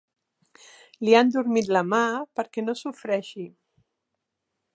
Li han adormit la mà perquè no sofreixi.